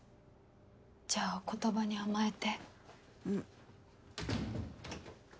じゃあお言葉に甘えて。